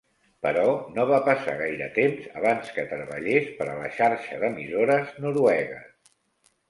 Però no va passar gaire temps abans que treballés per a la xarxa d'emissores noruegues.